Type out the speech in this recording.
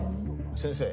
先生。